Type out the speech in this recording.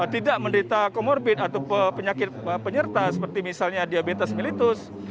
tidak menderita comorbid atau penyakit penyerta seperti misalnya diabetes mellitus